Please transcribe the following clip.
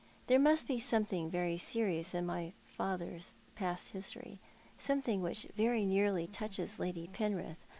There must be something very serious in my father's past history — something which nearly touches Lady Penrith.